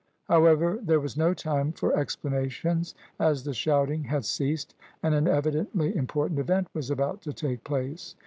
However, there was no time for explanations, as the shouting had ceased, and an evidently important event was about to take place.